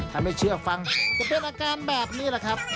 ถ้าไม่เชื่อฟังจะเป็นอาการแบบนี้แหละครับ